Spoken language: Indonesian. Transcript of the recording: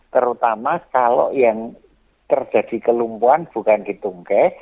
terutama kalau yang terjadi kelumpuhan bukan di tungkeh